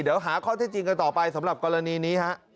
เดี๋ยวหาข้อเท็จจริงกันต่อไปสำหรับกรณีนี้ฮะ